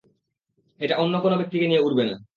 এটা অন্য কোনো ব্যক্তিকে নিয়ে উড়বে না।